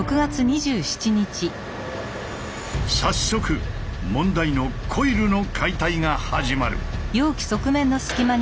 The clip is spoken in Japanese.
早速問題のコイルの解体が始まる。